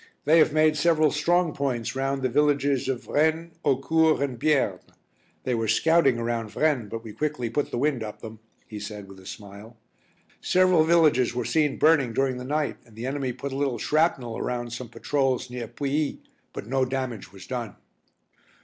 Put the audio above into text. "They have made several strong points round the villages of Vraignes, Haucourt, and Bierne. They were scouting around Vraignes, but we quickly put the wind up them," he said, with a smile. "Several villages were seen burning during the night and the enemy put a little shrapnel around some patrols near Pouilly, but no damage was done."